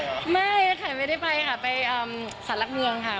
ใช่ไข่ไม่ได้ไปค่ะไปศาลักเมืองค่ะ